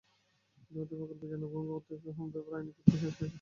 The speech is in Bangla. ইতিমধ্যে প্রকল্পের জন্য ভূমি অধিগ্রহণের ব্যাপারে আইনি প্রক্রিয়া শেষ করা হয়েছে।